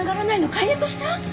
解約した？